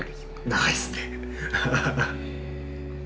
長いですね。